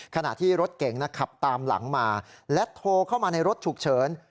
ขณะที่รถเก่งขับตามหลังมาและโทรเข้ามาในรถฉุกเฉิน